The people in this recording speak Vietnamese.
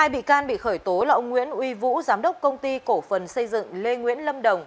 hai bị can bị khởi tố là ông nguyễn uy vũ giám đốc công ty cổ phần xây dựng lê nguyễn lâm đồng